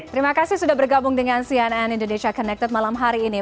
terima kasih sudah bergabung dengan cnn indonesia connected malam hari ini